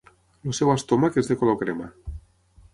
El seu estómac és de color crema.